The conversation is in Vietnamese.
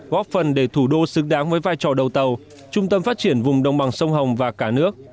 góp phần để thủ đô xứng đáng với vai trò đầu tàu trung tâm phát triển vùng đồng bằng sông hồng và cả nước